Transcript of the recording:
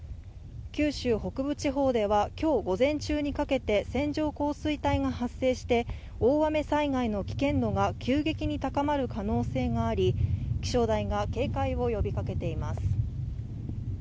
九州北部地方では今日午前中にかけて線状降水帯が発生して大雨災害の危険度が急激に高まる可能性があり気象台が警戒を呼びかけています。